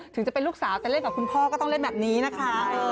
ถึงจะเป็นลูกสาวแต่เล่นกับคุณพ่อก็ต้องเล่นแบบนี้นะคะ